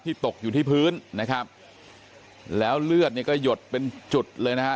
ตกอยู่ที่พื้นนะครับแล้วเลือดเนี่ยก็หยดเป็นจุดเลยนะฮะ